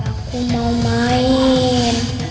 aku mau main